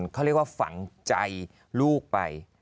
เขาเรียกว่าฝังใจลูกไป